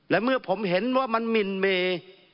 และเมื่อผมเห็นว่ามันหมินเม